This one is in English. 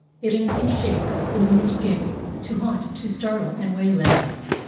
A dancing Shape, an Image gay, To haunt, to startle, and waylay.